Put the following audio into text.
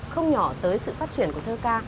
không nhỏ tới sự phát triển của thơ ca